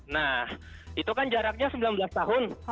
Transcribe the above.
nah itu kan jaraknya sembilan belas tahun